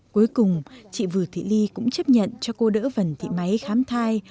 cuối cùng chị vừa thị ly cũng chấp nhận cho cô đỡ vần thị máy khám thai